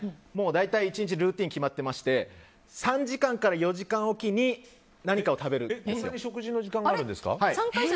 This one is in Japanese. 大体１日ルーティンが決まってまして３時間から４時間おきにこんなに食事の時間があるんですか。